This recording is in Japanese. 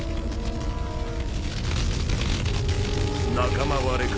仲間割れか？